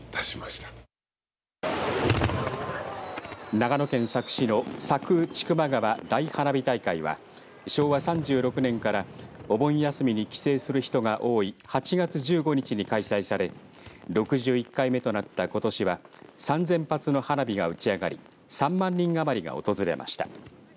長野県佐久市の佐久千曲川大花火大会は昭和３６年からお盆休みに帰省する人が多い８月１５日に開催され６１回目となったことしは３０００発の花火が打ち上がり３万人余りが訪れました。